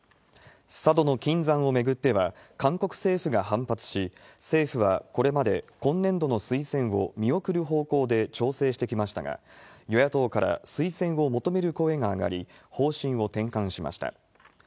佐渡の金山を巡っては、韓国政府が反発し、政府はこれまで、今年度の推薦を見送る方向で調整してきましたが、与野党から推薦を求める声が上がり、方針を転換しました。